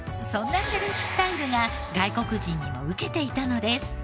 そんなセルフスタイルが外国人にもウケていたのです。